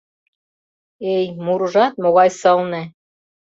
Эй, мурыжат могай сылне!..